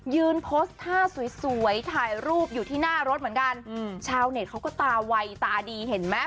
โพสต์ท่าสวยสวยถ่ายรูปอยู่ที่หน้ารถเหมือนกันชาวเน็ตเขาก็ตาวัยตาดีเห็นไหม